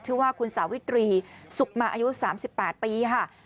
ชื่อว่าคุณสาวิตรีสุขมาอายุ๓๘ปีค่ะ